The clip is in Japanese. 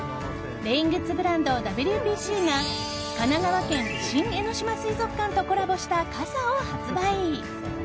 レイングッズブランドＷｐｃ．が神奈川県、新江ノ島水族館とコラボした傘を発売。